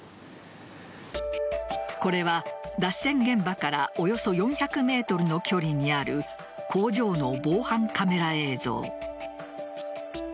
これは脱線現場からおよそ４００ｍの距離にある工場の防犯カメラ映像。